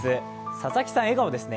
佐々木さん、笑顔ですね。